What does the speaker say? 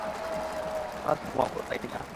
আমরা তো ঘুমাবো, তাই না?